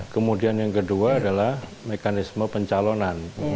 kemudian yang kedua adalah mekanisme pencalonan